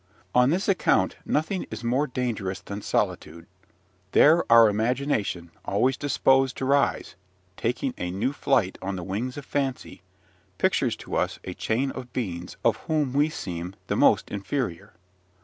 On this account, nothing is more dangerous than solitude: there our imagination, always disposed to rise, taking a new flight on the wings of fancy, pictures to us a chain of beings of whom we seem the most inferior.